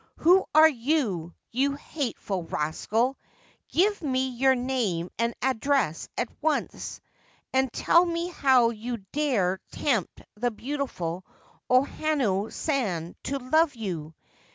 ' Who are you, you hateful rascal ? Give me your name and address at once ! And tell me how you dare tempt the beautiful O Hanano San to love you